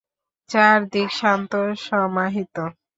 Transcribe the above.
চারদিক শান্ত সমাহিত।